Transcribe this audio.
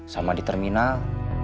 sama di terminal